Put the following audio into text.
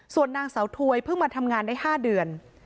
ส่วนนางเสาถวยเพิ่งมาทำงานได้๕เดือน